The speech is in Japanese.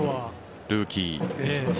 ルーキー。